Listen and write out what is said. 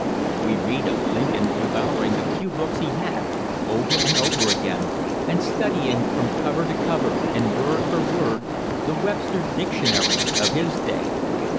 We read of Lincoln devouring the few books he had, over and over again and studying from cover to cover and word for word the Webster's dictionary of his day.